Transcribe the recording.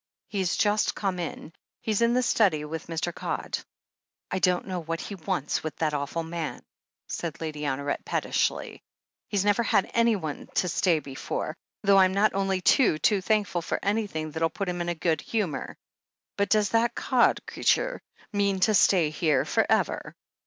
"He's just come in. He's in the study with Mr. Codd." "I don't know what he wants with that awful man," said Lady Honoret pettishly. "He's never had anyone to stay before — ^though I'm only too, too thankful for anything that'll put him in a good humour. But does this Codd c'eature mean to stay here for ever?"